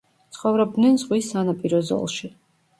ცხოვრობდნენ ზღვის სანაპირო ზოლში.